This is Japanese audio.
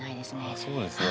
ああそうですね。